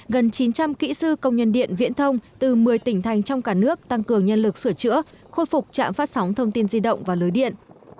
gần chín trăm linh kỹ sư công nhân điện viễn thông từ một mươi tỉnh thành trong cả nước tăng cường nhân lực sửa chữa khôi phục trạm phát sóng thông tin di động và lưới điện